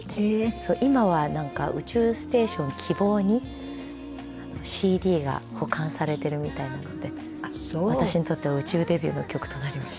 今は宇宙ステーションきぼうにＣＤが保管されているみたいなので私にとっては宇宙デビューの曲となりました。